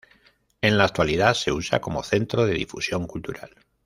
En la actualidad se usa como centro de difusión cultural.